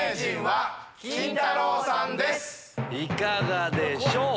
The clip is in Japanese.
いかがでしょう？